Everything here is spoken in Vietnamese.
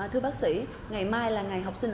thưa bác sĩ ngày mai là ngày học sinh